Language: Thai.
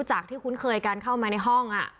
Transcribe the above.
ซึ่งคุ้นเคยการเข้ามาในห้อง